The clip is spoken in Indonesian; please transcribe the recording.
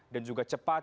dan juga cepat